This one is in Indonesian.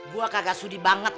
gua kagak sudi banget